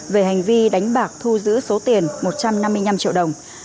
về hành vi đánh bạc thu giữ số tiền một trăm năm mươi năm triệu đồng